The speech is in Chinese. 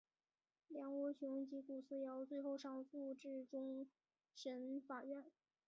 梁国雄及古思尧最后上诉至终审法院。